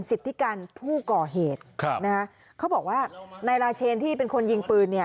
สิทธิกรผู้ก่อเหตุนะคะเขาบอกว่านายราเชนที่เป็นคนยิงปืน